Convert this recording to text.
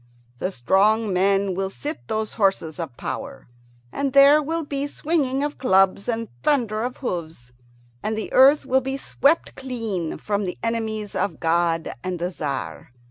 The strong men will sit those horses of power, and there will be swinging of clubs and thunder of hoofs, and the earth will be swept clean from the enemies of God and the Tzar.